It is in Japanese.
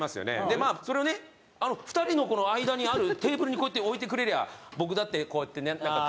でまあそれをね２人の間にあるテーブルにこうやって置いてくれりゃ僕だってこうやってねなんか見たいのあれば。